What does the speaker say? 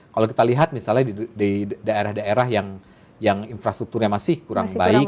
kalau kita lihat misalnya di daerah daerah yang infrastrukturnya masih kurang baik